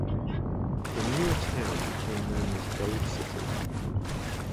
The newer town became known as Dade City.